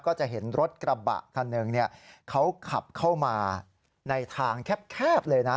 ก็จะเห็นรถกระบะคันหนึ่งเขาขับเข้ามาในทางแคบเลยนะ